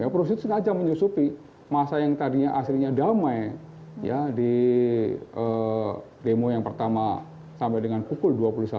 perusuh itu sengaja menyusupi masa yang tadinya aslinya damai di demo yang pertama sampai dengan pukul dua puluh satu tiga puluh